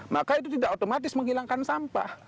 maka itu tidak otomatis menghilangkan sampah